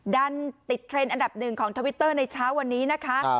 ดันติดเทรนด์อันดับหนึ่งของทวิตเตอร์ในเช้าวันนี้นะคะ